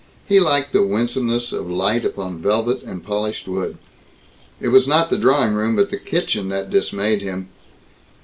He liked the winsomeness of light upon velvet and polished wood. It was not the drawing room but the kitchen that dismayed him.